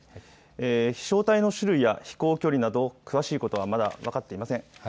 飛しょう体の種類や飛行距離など詳しいことはまだ分かっていません。